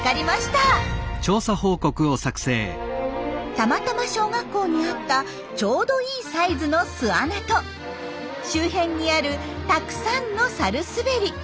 たまたま小学校にあったちょうどいいサイズの巣穴と周辺にあるたくさんのサルスベリ。